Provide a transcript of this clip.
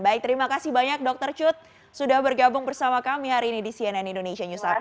baik terima kasih banyak dokter cut sudah bergabung bersama kami hari ini di cnn indonesia news upda